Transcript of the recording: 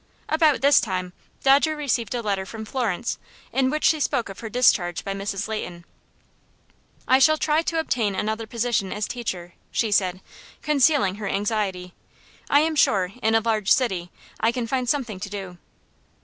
About this time Dodger received a letter from Florence, in which she spoke of her discharge by Mrs. Leighton. "I shall try to obtain another position as teacher," she said, concealing her anxiety. "I am sure, in a large city, I can find something to do."